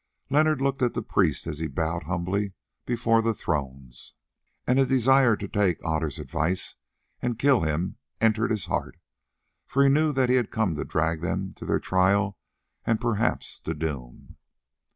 Leonard looked at the priest as he bowed humbly before the thrones, and a desire to take Otter's advice and kill him entered his heart, for he knew that he had come to drag them to their trial and perhaps to doom.